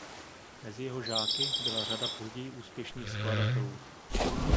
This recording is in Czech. Mezi jeho žáky byla řada později úspěšných skladatelů.